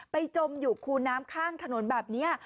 จมอยู่คูน้ำข้างถนนแบบนี้